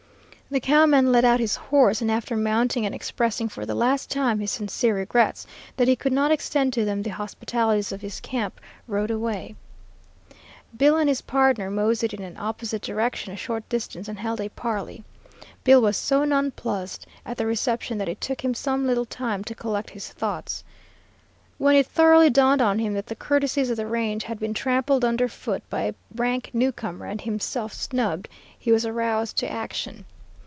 The cowman led out his horse, and after mounting and expressing for the last time his sincere regrets that he could not extend to them the hospitalities of his camp, rode away. "Bill and his pardner moseyed in an opposite direction a short distance and held a parley. Bill was so nonplussed at the reception that it took him some little time to collect his thoughts. When it thoroughly dawned on him that the courtesies of the range had been trampled under foot by a rank newcomer and himself snubbed, he was aroused to action.